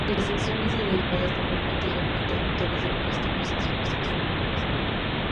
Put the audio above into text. Las secciones derivadas normalmente llevan interruptores de varios tipos hacia los transformadores.